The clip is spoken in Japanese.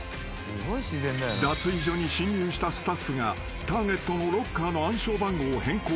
［脱衣所に侵入したスタッフがターゲットのロッカーの暗証番号を変更］